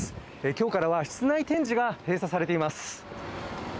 今日からは室内展示が閉鎖されています